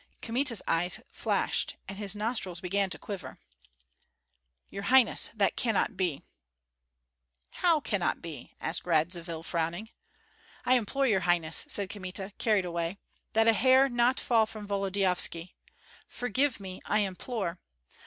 Kmita's eyes flashed, and his nostrils began to quiver. "Your highness, that cannot be!" "How cannot be?" asked Radzivill, frowning. "I implore your highness," said Kmita, carried away, "that not a hair fall from Volodyovski. Forgive me, I implore.